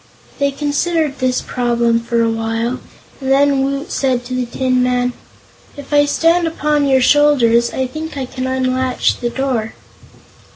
They considered this problem for a while, and then Woot said to the Tin Man: "If I stand upon your shoulders, I think I can unlatch the door."